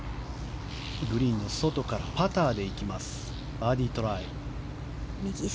グリーンの外からパターでバーディートライ。